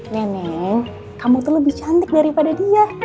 nenek kamu tuh lebih cantik daripada dia